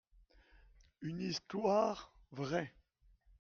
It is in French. Une histoire vraie.